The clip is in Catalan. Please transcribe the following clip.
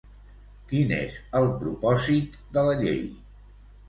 Quin és el propòsit de la llei?